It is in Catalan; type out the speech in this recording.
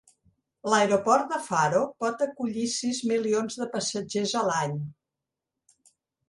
L'aeroport de Faro pot acollir sis milions de passatgers a l'any.